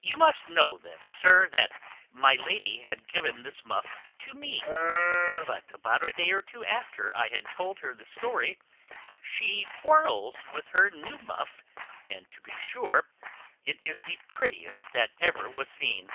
"You must know then, sir, that my lady had given this muff to me; but about a day or two after I had told her the story, she quarrels with her new muff, and to be sure it is the prettiest that ever was seen.